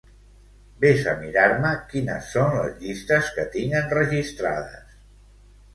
Ves a mirar-me quines són les llistes que tinc enregistrades.